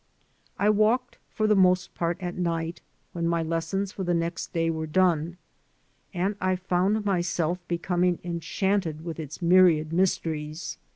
I walked for the most part at night, when my lessons for the next day were done, and I found my self becoming enchanted with its myriad mysteries.